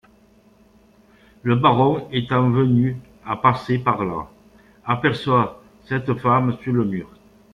Le baron, étant venu à passer par là, aperçoit cette femme sur le mur.